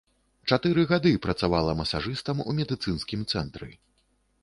Чатыры гады працавала масажыстам у медыцынскім цэнтры.